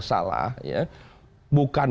salah ya bukan